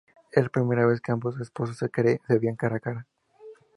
Era la primera vez que ambos esposos se veían cara a cara.